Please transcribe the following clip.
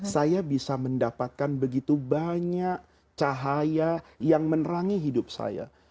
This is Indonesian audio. saya bisa mendapatkan begitu banyak cahaya yang menerangi hidup saya